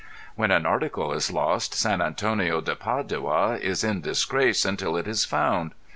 When an article is lost San Antonio de Padua is in disgrace until it is found.